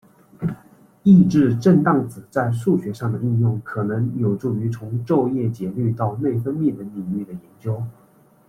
抑制震荡子在数学上的应用可能有助于从昼夜节律到内分泌等领域的研究。